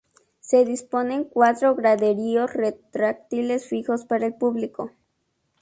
Se disponen cuatro graderíos retráctiles fijos para el público.